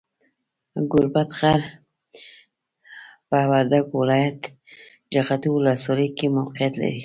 ګوربت غر، په وردګو ولایت، جغتو ولسوالۍ کې موقیعت لري.